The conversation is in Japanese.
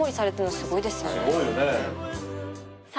すごいよね。